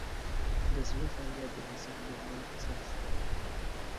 د زړه فعالیت د انسان د ژوند اساس دی.